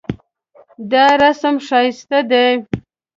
دا رسم ښایسته دی